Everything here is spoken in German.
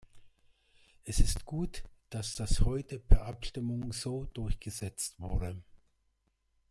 Es ist gut, dass das heute per Abstimmung so durchgesetzt wurde.